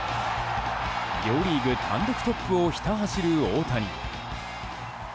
両リーグ単独トップをひた走る大谷。